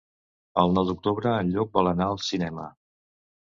El nou d'octubre en Lluc vol anar al cinema.